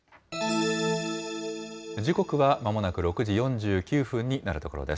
時刻はまもなく６時４９分になるところです。